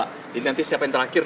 jadi nanti siapa yang terakhir